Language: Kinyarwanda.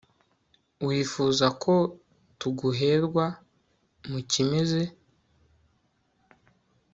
wifuzako tuguherwa, mu kimeze